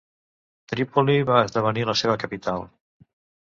Trípoli va esdevenir la seva capital.